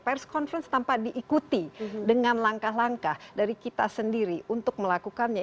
pers conference tanpa diikuti dengan langkah langkah dari kita sendiri untuk melakukannya